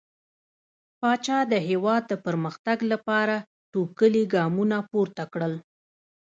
پاچا د هيواد د پرمختګ لپاره ټوکلي ګامونه پورته کړل .